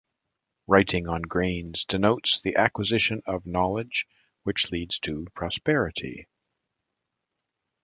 Writing on grains denotes the acquisition of knowledge, which leads to prosperity.